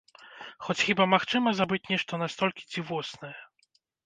Хоць хіба магчыма забыць нешта настолькі дзівоснае?